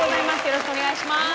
よろしくお願いします。